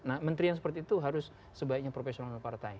nah menteri yang seperti itu harus sebaiknya profesional partai